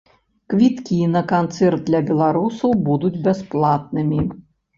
Квіткі на канцэрт для беларусаў будуць бясплатнымі.